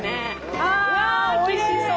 わあおいしそう！